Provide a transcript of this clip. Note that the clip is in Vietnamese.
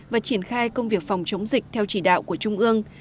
và triển khai công việc phòng chống dịch theo chỉ đạo của trung ương